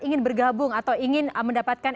ingin bergabung atau ingin mendapatkan